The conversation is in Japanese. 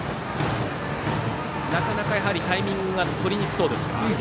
なかなかタイミングがとりにくそうですか？